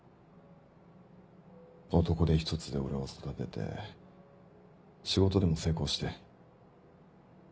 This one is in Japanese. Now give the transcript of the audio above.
男手一つで俺を育てて仕事でも成功して。